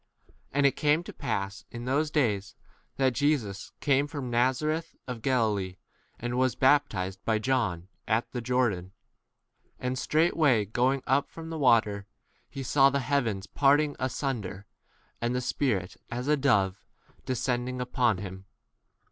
9 And it came to pass in those days [that] Jesus came from Na zareth of Galilee, and was bap 10 tized by John at the Jordan. And straightway going up from the water, he saw the heavens parting asunder, and the Spirit, as a dove, 11 descending upon him.